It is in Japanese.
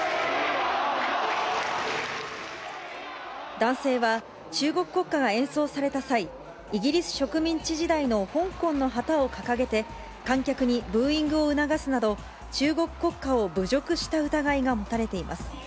男性は、中国国歌が演奏された際、イギリス植民地時代の香港の旗を掲げて、観客にブーイングを促すなど、中国国家を侮辱した疑いが持たれています。